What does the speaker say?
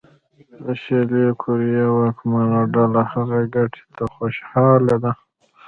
د شلي کوریا واکمنه ډله هغې ګټې ته خوشاله ده.